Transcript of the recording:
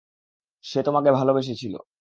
সে তোমাকে ভালোবেসেছিল।